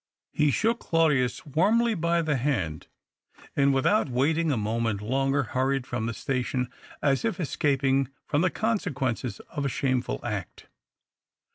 He shook Claudius warmly by the hand, and, without waiting a moment longer hurried from the station, as if escaping from the consequences of a shameful act.